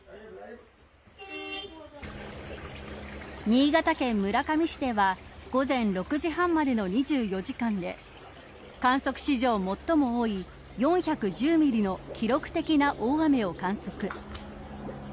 新潟県村上市では午前６時半までの２４時間で観測史上最も多い４１０ミリの記録的な大雨を観測。